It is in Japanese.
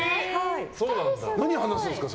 何話すんですか？